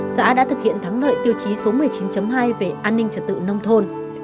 xã đã thực hiện thắng lợi tiêu chí số một mươi chín hai về an ninh trật tự nông thôn